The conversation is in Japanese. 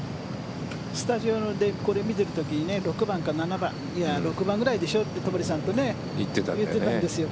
スタジオでこれを見ている時に６番か７番いや、６番ぐらいでしょって戸張さんと言ってたんですよ。